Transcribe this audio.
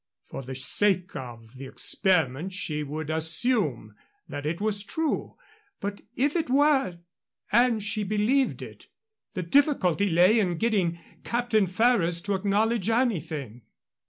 For the sake of the experiment she would assume that it was true. But if it were, and she believed it, the difficulty lay in getting Captain Ferrers to acknowledge anything.